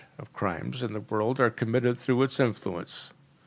of the crimes in the world are committed through its influence.